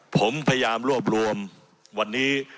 ผมพยายามรวบรวมวันนี้